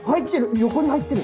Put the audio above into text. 横に入ってる。